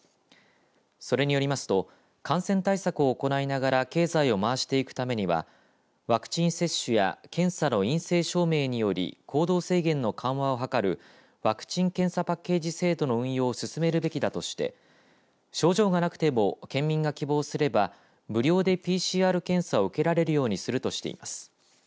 それによりますと感染対策を行いながら経済を回していくためにはワクチン接種や検査の陰性証明により行動制限の緩和を図るワクチン・検査パッケージ制度の運用を進めるべきだとして症状がなくても県民が希望すれば無料でＰＣＲ検査を受けられるようにするとしています。